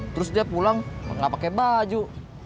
terus dia pulang gak pake baju